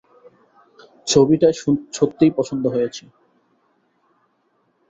ছবিটা সত্যিই পছন্দ হয়েছে।